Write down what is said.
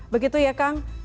begitu ya kang